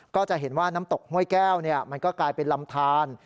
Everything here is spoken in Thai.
ก็จะเห็นว่าน้ำตกห้วยแก้วมันก็กลายเป็นลำทาน